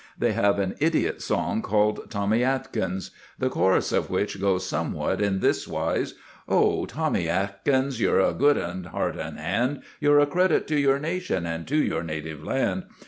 They have an idiot song called Tommy Atkins. The chorus of it goes somewhat in this wise: Oh! Tommy, Tommy Atkins, You're a good 'un, heart and hand; You're a credit to your nation And to your native land.